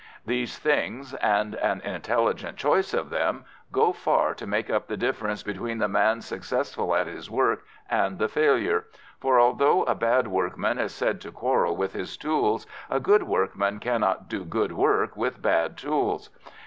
These things, and an intelligent choice of them, go far to make up the difference between the man successful at his work and the failure, for although a bad workman is said to quarrel with his tools a good workman cannot do good work with bad tools.